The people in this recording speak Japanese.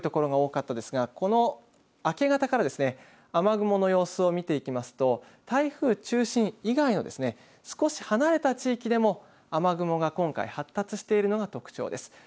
風は台風中心付近の三重県を中心に強いところが多かったですがこの明け方から雨雲の様子を見ていきますと台風中心以外の少し離れた地域でも雨雲が今回発達しているのが特徴です。